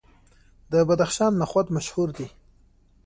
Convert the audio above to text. د بدخشان نخود مشهور دي.